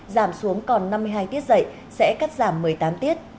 giảm xuống còn năm mươi hai tiết dạy sẽ cắt giảm một mươi tám tiết